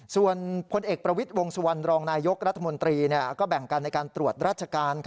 ส่วนพลเอกประวิทย์วงสุวรรณรองนายกรัฐมนตรีก็แบ่งกันในการตรวจราชการ